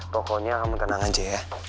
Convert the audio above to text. pokoknya kamu tenang aja ya